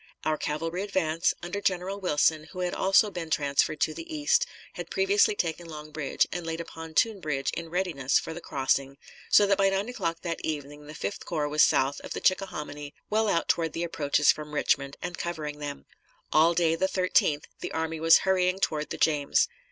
Our cavalry advance, under General Wilson, who had also been transferred to the East, had previously taken Long Bridge and laid a pontoon bridge in readiness for the crossing, so that by nine o'clock that evening the Fifth Corps was south of the Chickahominy, well out toward the approaches from Richmond, and covering them. All day, the 13th, the army was hurrying toward the James.